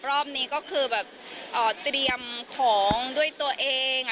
รอบนี้ก็คือแบบเตรียมของด้วยตัวเอง